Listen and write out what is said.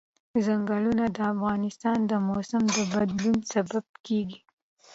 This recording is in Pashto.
ځنګلونه د افغانستان د موسم د بدلون سبب کېږي.